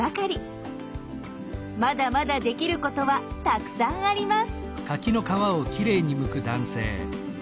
まだまだできることはたくさんあります。